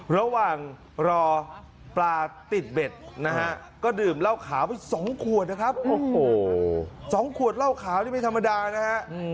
ระหว่างรอปลาติดเบ็ดนะฮะก็ดื่มเหล้าขาวไป๒ขวดนะครับโอ้โห๒ขวดเหล้าขาวนี่ไม่ธรรมดานะฮะ